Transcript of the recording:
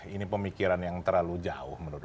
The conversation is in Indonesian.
ini pemikiran yang terlalu jauh menurut saya